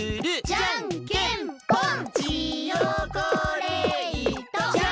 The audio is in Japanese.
じゃんけんぽん！